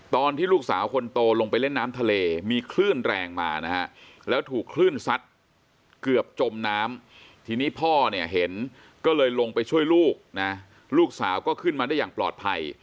ตอนที่ลูกสาวคนโตลงไปเล่นน้ำทะเลมีคลื่นแรงมานะฮะแล้วถูกคลื่นซัดเกือบจมน้ำทีนี้พ่อเนี่ยเห็นก็เลยลงไปช่วยลูกนะลูกสาวก็ขึ้นมาได้อย่างปลอดภัย